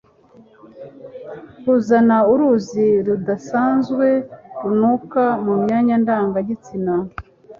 Kuzana uruzi rudasanzwe runuka mu myanya ndanga gitsina